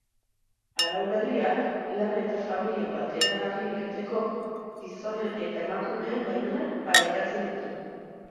Arau berriak lana eta familia bateragarri egiteko gizonen eta emakumeen baimenak parekatzen ditu.